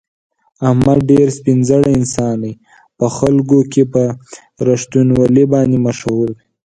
احمد ډېر سپین زړی انسان دی، په خلکو کې په رښتینولي باندې مشهور دی.